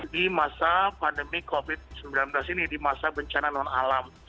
di masa pandemi covid sembilan belas ini di masa bencana non alam